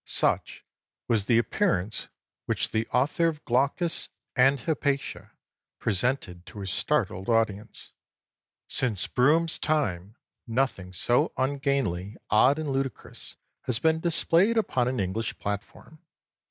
Such was the appearance which the author of Glaucus and Hypatia presented to his startled audience. Since Brougham's time nothing so ungainly, odd, and ludicrous had been displayed upon an English platform.